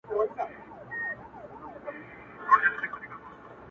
شاعره ياره ستا قربان سمه زه”